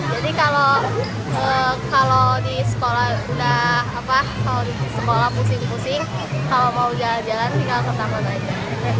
jadi kalau di sekolah pusing pusing kalau mau jalan jalan tinggal ke taman aja